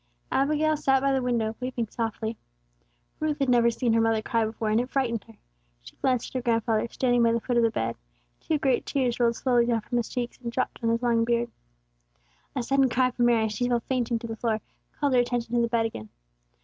Abigail sat by the window, weeping softly. Ruth had never seen her mother cry before, and it frightened her. She glanced at her grandfather, standing by the foot of the bed; two great tears rolled slowly down his cheeks, and dropped on his long beard. A sudden cry from Mary, as she fell fainting to the floor, called her attention to the bed again.